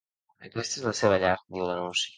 Aquesta és la seva llar, diu l’anunci.